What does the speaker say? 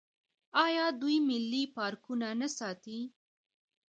آیا دوی ملي پارکونه نه ساتي؟